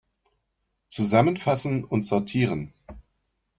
Zusammenfassen und sortieren!